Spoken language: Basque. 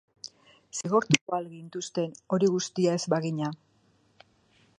Zigortuko al gintuzten hori guztia ez bagina?